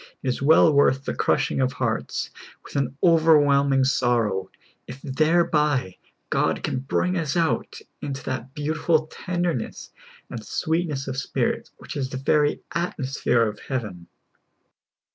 It is well worth the crushing of hearts with an over whelming sorrow, if thereb}^ God can bring us out into that beautiful tenderness and sweetness of spirit which is the very atmosphere of heaven.